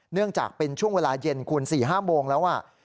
เนื่องจากเป็นช่วงเวลาเย็นคุณ๔๕โมงแล้ว